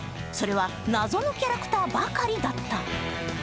それは謎のキャラクターばかりだった。